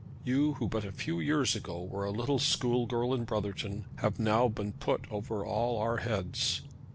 You who but a few years ago were a little school girl in Brotherton have now been put over all our heads."